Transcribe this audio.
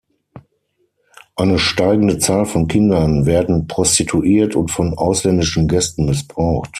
Eine steigende Zahl von Kindern werden prostituiert und von ausländischen Gästen missbraucht.